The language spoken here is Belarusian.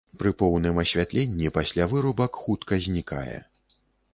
Пры поўным асвятленні пасля вырубак хутка знікае.